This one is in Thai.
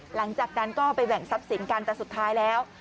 หลังจากนั้นก็ไปแบ่งทรัพย์สินกันแต่สุดท้ายแล้ว